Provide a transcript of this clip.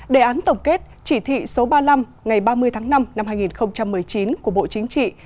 đề án tổng kết chỉ thị số ba mươi năm ngày ba mươi tháng năm năm hai nghìn một mươi chín của bộ chính trị